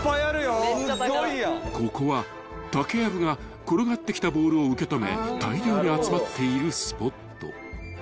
［ここは竹やぶが転がってきたボールを受け止め大量に集まっているスポット］